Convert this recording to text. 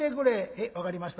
「へえ分かりました。